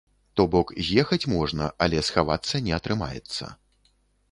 То бок, з'ехаць можна, але схавацца не атрымаецца.